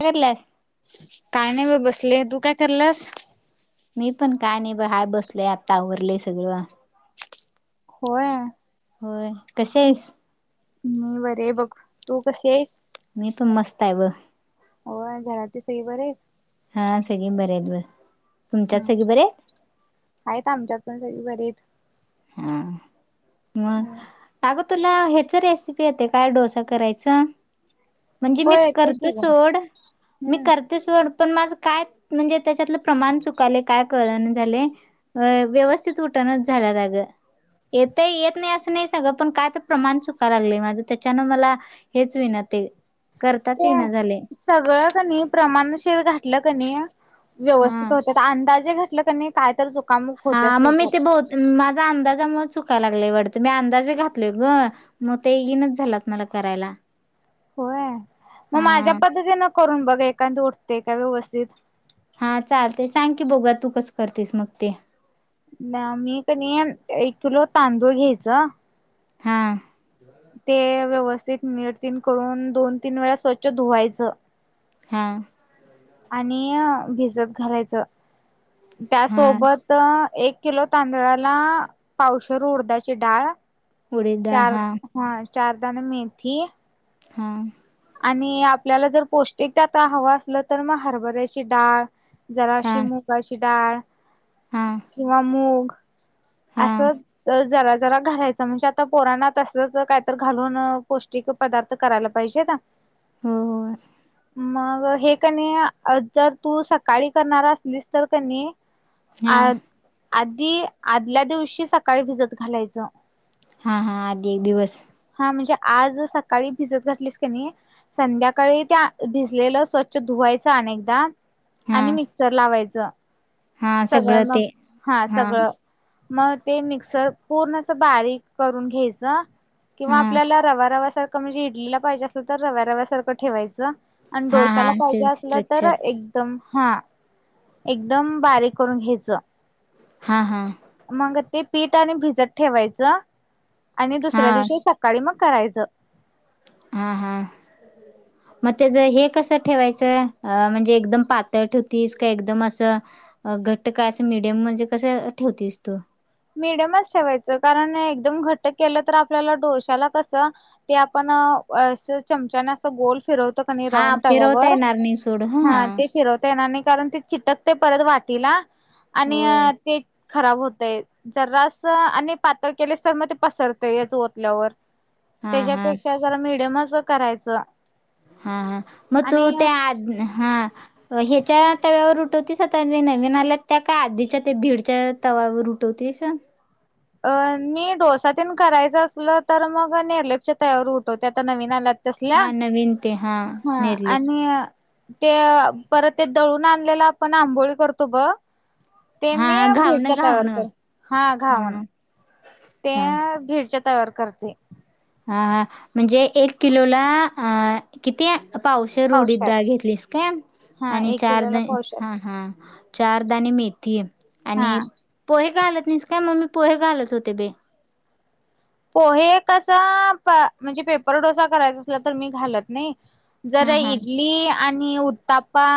काय करल्यास? काय नाही व बस पिले तू काय करल्यास,? मी पण काय नाही बघ हाय बसलय आत्तावरलेय सगळं होय. होय कशी हायस? मी बरे बघ. तू कशी हायस? मी पण मस्त आहे ब हो घरात सगळी बरी हायत? हा सगळे बर आहेत ब. ह आहेत आमच्यात पण. बरीयत. हा ह आग तुला ह्याचा रेसिपी येते काय? डोसा करायचा. म्हणजे हो मी येते की करते ग सोड, मी हम्म करते सोड. पण माझं काय म्हणजे त्याच्यातलं प्रमाण चुकाले काय कळण न झाले व्यवस्थित उठेणाच झालंय अगं. येतंय, येत नाही असं नाही सगं पण काय तर प्रमाण चुका लागलं माझं त्याच्यानं मला हेच विना ते. करताच येईना झालय. ते सगळं.. क नाही प्रमाणशीर घातलं क नी हा व्यवस्थित होत्यात अंदाजे [unintelligible] काय तर चुकामुक हां, होत्याच मग मी त्याच्यात. ते ब माझ्या अंदाजामुळे चुक लागले वाढतं मी अंदाजे घातलं गं, मग ते येईनाच झालात मला करायला. होय? मग माझ्या हा. पद्धतीनं करून बघा एखादं उठतेय का व्यवस्थित. हां चालते, सांग की बघुयात तू कसं करतेस मग ते ना मी कनई एक किलो तांदूळ घ्यायचं, हां ते व्यवस्थित नीट तेन करून दोन-तीन वेळा स्वच्छ धुवायचं, हां. आणि भिजत घालायचं. त्या हा सोबत एक किलो तांदळाला पावशेर उडदाची डाळ उडीद डाळ चार हा हां. चारदाना मेथी, हं. आणि आपल्याला जर पौष्टिक त्यात हवं असलं तर मग हरभऱ्याची डाळ, जरा हा अशी मुगाची डाळ, हा किंवा मुग हा असं जरा.. जरा घालायचं म्हणजे आता पोरांना तसलच काहीतरी घालून पौष्टिक पदार्थ करायला पाहिजे ना? हो, होय. मग हे कनी जर तू सकाळी करणार असलीस तर कनी.. हां आधी.. आदल्या दिवशी सकाळी भिजत घालायचं. हां हां आधी एक दिवस. म्हणजे आज सकाळी भिजत घातलीस की नाही, संध्याकाळी त्या भिजलेलं स्वच्छ धुवायचं अनेकदा.. हा आणि मिक्सर लावायचं. हा सगळं ते हा मग ते मिक्सर पूर्णअस बारीक करून घ्यायचं किंवा हा आपल्याला रवा रवा सारखं म्हणजे इडलीला पाहिजे असलं तर रव्या रव्या सारखं ठेवायचं आणि हा हा डोश्याला ते पाहिजे असलं स्ट्रक्चर तर एकदम हा एकदम बारीक करून घ्याचं हा हा मग ते पीठ आणि भिजत ठेवायचं आणि हा दुसऱ्या दिवशी सकाळी मग, करायचं हा हा मग त्याच हे कसं ठेवायचं? अ म्हणजे एकदम पातळ ठेवतीस, का एकदम असं घट्ट का, असं मीडियम म्हणजे कसं ठेवतीस तू? मिडियमच ठेवायचं, कारण एकदम घटक केलं तर आपल्याला डोश्याला कसं ते... आपण अस चमचाने असं गोल फिरव हा राऊंड फिरवता तव्यावर येणार नाही सोड हं हा हां. ते फिरवता येणार नाही कारण ते चिटकतय परत वाटीला आणि होय. अ ते खराब होतय जरास आणि पातळ केलीस तर मग ते पसरत्यच वतल्यावर हां हां. त्याज्यापेक्षा जरा मिडियमच कस करायचं? हा हा मग तू आणि त्या आ हा ह्याच्या तव्यावर उठवतीस आता नवीन आल्या त्या काय आधीच्या ते भीडच्या तवावर उठवतीस अ मी डोसातन करायचं असलं तर मग नेरलेपच्या तयावर उठवते आता नवीन आल्यात तसल्या हां नवीन ते हां हा नेरलेत. आणि ते परत ते दळून आणलेलं आपण आंबोळी करतो ब ते हां मी हां. घावणं भिडच्या तव्यावर घावणं. कर हां घावन. ते भिडच्या तव्यावर करते. हां हां म्हणजे एक किलोला अ किती? पावशेर उडीदडाळ घेतलीस काय? हा आणि एक किलोला चारदा पावशेर हां हां चारदाणे मेथी हा आणि पोहे घालत नाहीस का? मग मी पोहे घालत होते बाई. पोहे कसं प म्हणजे पेपर डोसा करायचा असला तर मी घालत नाही. जर हा हा इडली आणि उत्तप्पा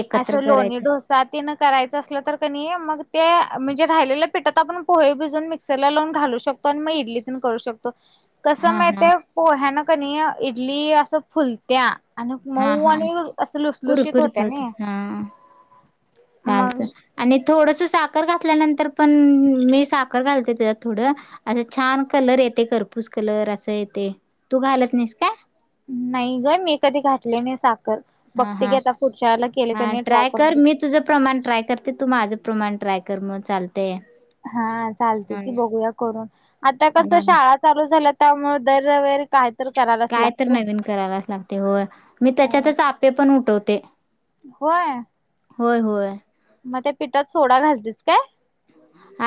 एकत्र असं लोणी करायचं डोसा तेन करायचं असलं तर क नई मग ते म्हणजे राहिलेल्या पिठात आपण पोहे भिजून मिक्सरला लावून घालू शकतो आणि म इडलीत करू शकतो. कसं हा हा माहितेय पोह्यानं क नाही इडली असं फुलत्या. आणि हा मऊ हा आणि असं लुसलुशीत होत्या नाई. चालतं आणि थोडसं साखर घातल्यानंतर पण मी साखर घालते त्याच्यात थोडं, असं छान कलर येते करपूस कलर असं येतंय तू घालत नाहीस का? नाही गं मी कधी घातले नाही सा हां हां हां कणी ट्राय करून कर मी बघते तुझं प्रमाण ट्राय करते तू माझं प्रमाण ट्राय कर मग चाल. हां चालतंय की बघूया करून. आता कसं हा शाळा चालू झाल्यात त्यामुळे दर रविवारी काय तर करायलाच काय तर लागतय. नवीन करायलाच लागतंय होय मी त्याच्यातच आप्पे पण उठव ते. होय? होय होय. मग त्या पीठात सोडा घालतीस काय?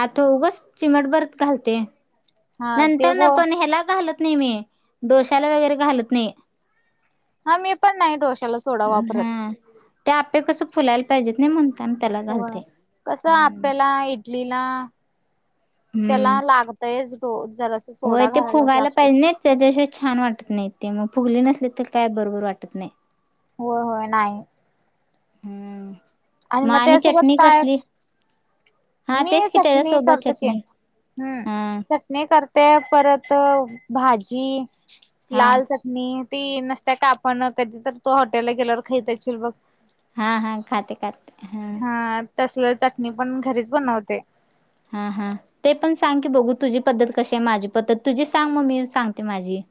आता उगच चिमटभर घालते. हा ते नंतरन हो पण ह्याला घालत नाही मी. डोशाला वगैरे घालत नाही. हां मी पण नाही डोशाला सोडा वापरत. हा. ते आप्पे कसं फुलायला पाहिजेत नाही म्हणू होय कसय आपल्याला ई लीना त्याला लागतयच हो. वय ते फुगायला पाहिजे नाही, त्याच्याशिवाय छान वाटत नाही. ते मग फुगले नसले तर काय बरोबर वाटत नाही. होय होय नाही. हम्म. आणि मग म तेज्या सोबत चटणी काय? कसली? हा मी तेच की चटणी त्याच्यासोबत करतो की, चटणी हम्म हा चटणी करते परत भाजी हा लाल चटणी ती नसत्या का आपण कधी तर तु हॉटेलला गेल्यावर खाइत अशील बघ. हा, हा खाते, खाते हा. तसल चटणी पण घरीच बनवते हा हा ते पण सांग की, बघू तुझी पद्धत कशीय, माझी पद्धत तुझी सांग म मी सांगते माझी.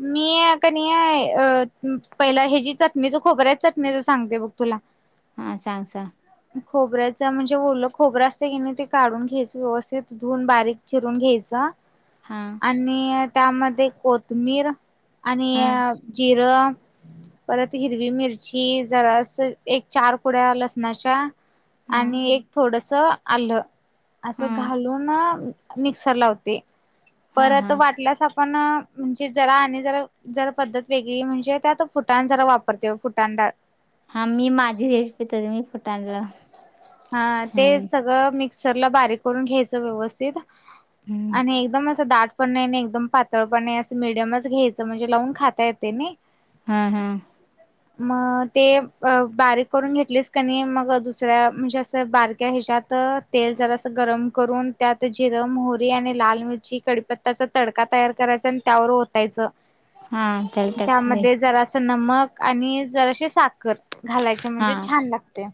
मी कनी अ पहिला हेजी चटणीच खोबऱ्याच्या चटणीच सांगते बग तुला. हा सांग सांग खोबऱ्याचा म्हण ते ओल खोबरं असतंय कनी ते काढून घ्यायचं, व्यवस्थित धुन बारीक चिरून घ्यायच. हा आणि त्यामध्ये कोत मीर आणि हा जिरं परत हिरवी मिरची, जरास एक चार कुड्या लसणाच्या हा आणि एक थोडस आल्ल असं हा घालूनं मिक्सर लावते हा परत हा वाटल्यास आप पण म्हणजे जरा आणि जरा जर पद्धत वेगळी म्हणजे, त्यात फुटाण जरा वापरतोय, फुटाण डाळ. हा मी माझी रेशिपीेत मी फुटाण [unintelligible] हा ते सगळं मीक सर ला बारीक करून घ्यायचं व्यवस्थित आणि एकदम असं दाट पण नई नई एकदम पातळ पण नई, असं मिडियमच घ्यायचं म्हणजे लावून खाता येतय नई. हम्म हम्म. म ते अ बारीक करून घेतलिस कनी मग दुसऱ्या म्हणजे असं बारक्या हेच्यात तेल जरासं गरम करून त्यात जिर, मोहरी आणि लाल मिरची, कडीपत्त्याचा तडका तयार करायच आणि त्यावर ओतायच हा त्याला तर त्यामध्ये जरासं नमक आणि जराशी साखर. घालायचे हा म्हणजे छान लागतय.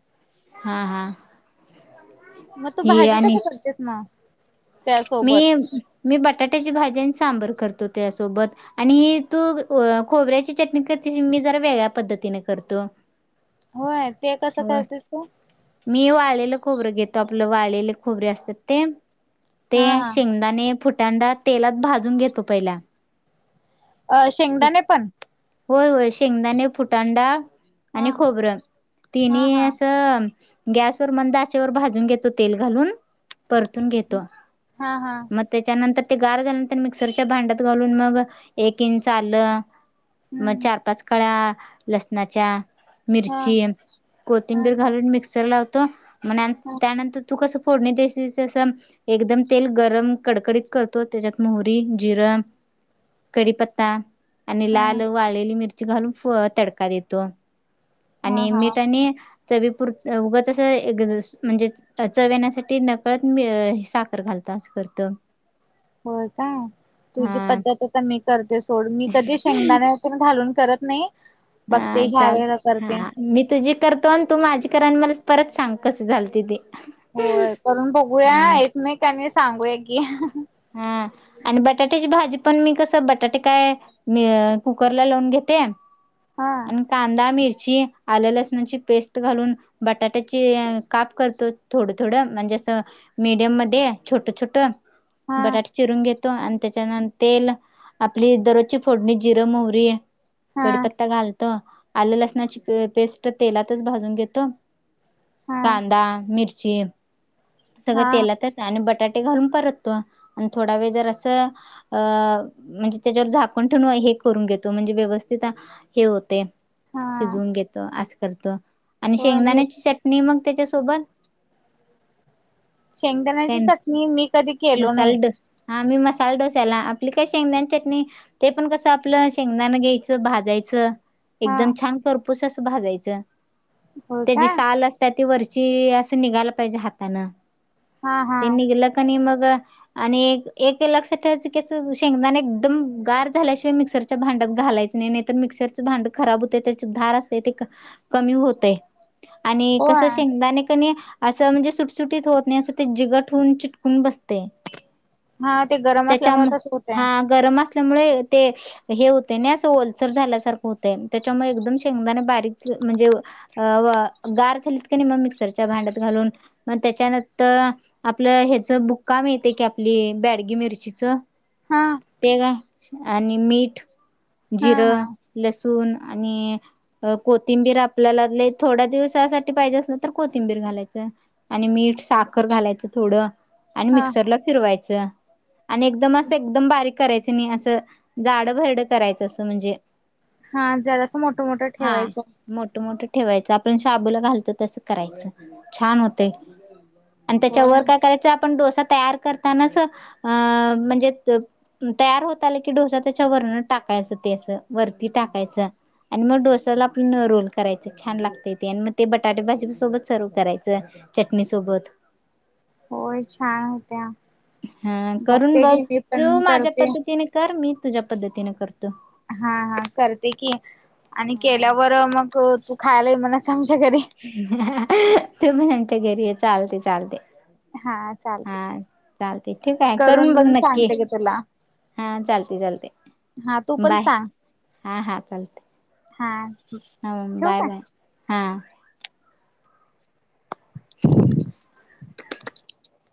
हा हा. म तू ही भाजी आणि कस करतीस मग? मी त्यासोबत मी बटाट्याची भाजी आणि सांबर करतो. त्यासोबत आणि तू व खोबऱ्याची चटणी करतीस मी जरा वेगळ्या पद्धतीने करतो. होय ते कसं हो करतेस तू? मी वाळेलेल खोबरं घेतो आपलं वाळेले खोबरे असतात ते. ते हा शेंगदाणे, फुट त्या तेलात भाजून घेतो पहिला. अ शेंगदाणे पण. होय होय. शेंगदाणे, फुटाणेडाळ. आणि हा खोबरं तिनि हा हा असं गॅसवर मंद आचेवर भाजून घेतो तेल घालून. परतून घेतो. हा हा मग त्याच्यानंतर ते गार झाल्यानंतर मिक्सरच्या भांड्यात घालून, मग एक चाल. मग हम्म चार, पाच कळ्या लसणाच्या, हा मिरची, हा हा कोथिंबीर घालून मिक्सर लाव तो म त्यानंतर तू कसं? फोडणी ते अस अस एकदम तेल गरम कडकडीत करतो, त्याच्यात मोहरी, जिर, कडि ता आणि हा लाल वाळलेली मिर घालून तडका देतो. हा आणि हा मीठ आणि चवीपुरत उगंच अस म्हणजे चव येण्यासाठी नकळत मी साखर घालतो अस करतो. होय काय तुझी हा पद्धत आता मी ते सोडून मी कधी शेंगदाणे तेन घालून करत नाही. हा बघते ह्या चालते वेळेला करते. हा मी तुझी करतो. तू माझी कर आणि मला परत सांग कस झालतेि ते होय करून बघूया हम्म एकमेकांनी सांगूया की हा आणि बटाट्याची भाजी पण मी कस बटाटे काय मी कुकर ला लावून घेते. हा आणि कांदा मिरची ह्याची आल लसनाची पेस्ट घालून बटाट्याची काप करतो थोड थोड, म्हणजे अस मिडीयम मध्ये छोट छोट हा बटाट चिरून घेत. आणि त्याच्यानंतर तेल आपली दररोजची फोडणी जिरं मोहरी हा कडीपत्ता घालत. आलं लसणाची पेस्ट तेलातच भाजून घेतो. हा कांदा मिर्च चे सगळं हा तेलातच आणि बटाट ते घालून परत. आणि थोडा वेळ जर असं अ म्हणजे त्याच्यावर झाकण ठेव हे करून घेतो म्हणजे व्यवस्थित हे होते. हा शिजवून घेत असे करतो. आणि हो मी शेंगदाण्याची चटणी मग त्यांच्यासोबत शेंगदाणाची चटणी मिक्स मसाल हा मी मसाला साल डोस्याला आपली काय शेंगदाान चटणी ते पण कसं आपलं शेंगदाान घ्यायचं भाजायचं. हा एकदम छान करतो. पुसद भाजायचं. हो त्याची का साल असत ती वरची असं निघाला पाहिजे हाताानं हा हा ते निघाले की मग आणि एक लगच शेंगदाणे एकदम गार झाल्याशिवाय मिक्सरच्या भांड्यात घालायचं नाही नाहीतर मिक्सरच भांड खराब होत. त्याची धार असते ते कमी होतं. आणि हो कस शेंगदाणे कणे असं म्हणजे सुटसुटीत होत नाही असं ते जिगट होून चिटकून बसत ते. हा ते गरम असल्यामुळे त्यांच्यामुळे तस होतय हा गरम असल्यामुळे ते हे होते ना अस ओलसर झाल्यासारखं होतय त्याच्यामुळे एकदम शेंगदाणे बारीक म्हणजे गार झालीत का नाही मग मिक्सरच्या भांड्यात घालून मग त्याच्यानंतर आपलं ह्याच का मिळते की आपली बेडगी मिरचीच. हा ते ग आणि मीठ हा जिर, हा लसुण लसूण आणि कोथिंबीर आपल्याला थोड्या दिवसासाठी पाहिजे असलं ना तर कोथिंबीर घालायचं आणि मीठ साखर घालायचं थोडं. आणि हा मिक्सरला फिरवायचं. आणि एकदम असं एकदम बारीक करायचं नई असं जाड भरड करायचं असं म्हणजे हा जरास मोट मोट हा ठेवायचं. मोठं मोठं ठेवायचं आपण शाबूला घालतो तस करायचं छान होतय. आणि होय त्याच्यावर काय करायचं. तसा तयार करतानाच अ म्हणजे त तयार होत आल की डोसा त्याच्या वरन टाकायचं ते अस वरती टाकायचं आणि मग डोसाला आपण रोल करायच छान लागतय ते आणि मग ते बटाटे भाजी सोबत सर्व्ह करायचं चटणी सोबत. होय छान होत्या. हा करून बघते बघ की मी पण तू माझ्या करते पद्धतीने कर मी तुज्या पद्धतीनं कर. हा हा करते की आणि हा केल्यावर मग अं तू खायला ये [inaudible] मनस [inaudible] घरी ये चालते चालते. हा चालते हा चालते [inaudible] आहे करून बघ नक्की सांगते की तुला हा चालते चालते हा तू पण बाय हा हा. हां ह बाय बाय हां [unintelligible]